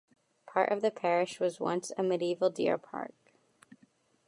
Part of the parish was once a medieval deer park.